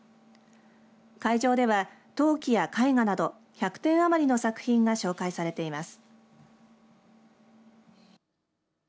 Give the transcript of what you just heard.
会場では陶器や絵画など１００点余りの作品が紹介されています。